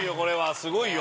すごいよ！